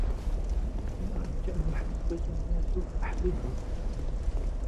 إن أردت أن يحبك الناس فأحببه.